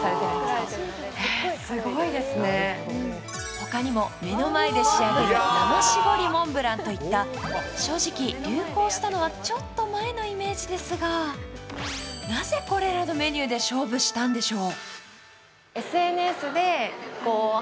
ほかにも目の前で仕上げる生絞りモンブランといった正直、流行したのはちょっと前のイメージですが、なぜこらのメニューで勝負したのでしょう？